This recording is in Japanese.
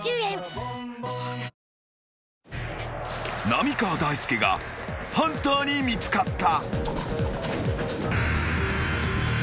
［浪川大輔がハンターに見つかった］